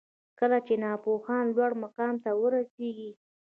کله چي ناپوهان لوړ مقام ته ورسیږي